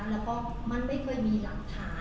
แล้วก็มันไม่เคยมีหลักฐาน